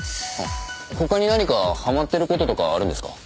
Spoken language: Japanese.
他に何かはまってる事とかあるんですか？